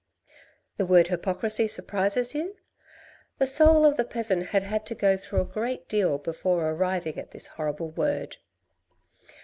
The word hypocrisy surprises you ? The soul of the peasant had had to go through a great deal before arriving at this horrible word.